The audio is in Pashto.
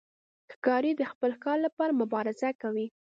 ښکاري د خپل ښکار لپاره مبارزه کوي.